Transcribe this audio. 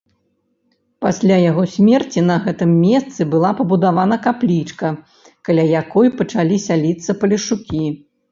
Пасля яго смерці на гэтым месцы была пабудавана каплічка, каля якой пачалі сяліцца палешукі.